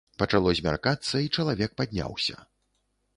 Пачало змяркацца, і чалавек падняўся.